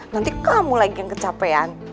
nanti kamu lagi yang kecapean